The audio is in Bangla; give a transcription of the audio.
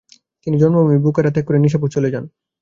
তিনি জন্মভূমি বুখারা ত্যাগ করে নিশাপুরে চলে যান।